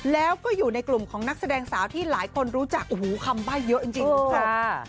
แล้วก็อยู่ในกลุ่มของนักแสดงสาวที่หลายคนรู้จักอูหูคำบ้ายเยอะจริงค่ะ